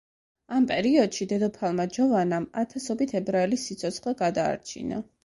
ამ პერიოდში დედოფალმა ჯოვანამ ათასობით ებრაელის სიცოცხლე გადაარჩინა.